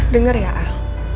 dengar ya al